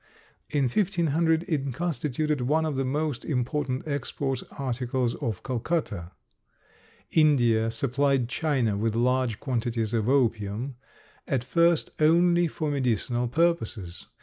In 1500 it constituted one of the most important export articles of Calcutta. India supplied China with large quantities of opium, at first only for medicinal purposes.